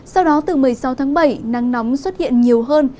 sau đó từ một mươi sáu tháng bảy nắng nóng xuất hiện nhiều hơn